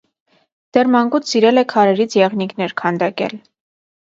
Դեռ մանկուց սիրել է քարերից եղնիկներ քանդակել։